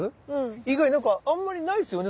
以外にあんまり無いっすよね